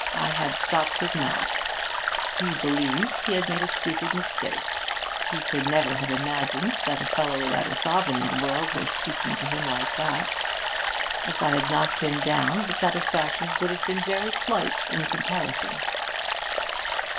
I had stopped his mouth; he believed he had made a stupid mistake; he could never have imagined that a fellow without a sovereign in the world was speaking to him like that. If I had knocked him down the satisfaction would have been very slight in comparison.'